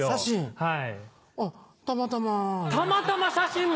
はい。